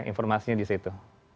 informasinya di situ